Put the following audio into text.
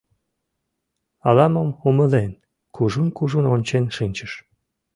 Ала-мом умылен, кужун-кужун ончен шинчыш...